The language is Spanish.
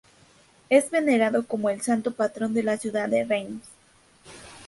Es venerado como el santo patrón de la ciudad de Reims.